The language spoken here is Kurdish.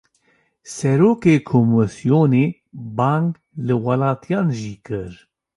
Serokê komîsyonê, bang li welatiyan jî kir